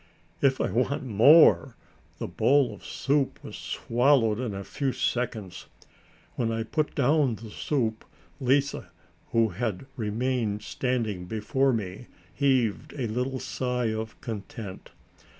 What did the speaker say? If I want more! The bowl of soup was swallowed in a few seconds. When I put down the soup, Lise, who had remained standing before me, heaved a little sigh of content.